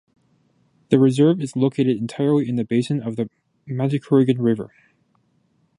The reserve is located entirely in the basin of the Manicouagan River.